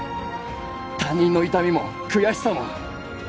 他人の痛みも悔しさも。